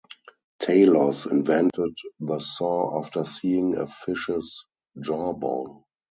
Talos invented the saw after seeing a fish's jawbone.